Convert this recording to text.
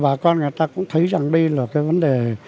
bà con người ta cũng thấy rằng đây là cái vấn đề